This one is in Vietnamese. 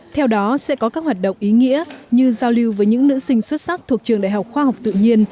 theo đó sẽ có các hoạt động ý nghĩa như giao lưu với những nữ sinh xuất sắc thuộc trường đại học khoa học tự nhiên